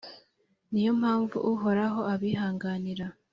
Ni yo mpamvu Uhoraho abihanganira,